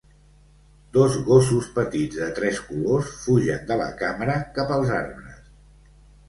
Dos gossos petits de tres colors fugen de la càmera cap els arbres.